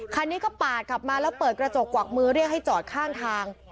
คันนี้ก็ปาดขับมาแล้วเปิดกระจกกวักมือเรียกให้จอดข้างทาง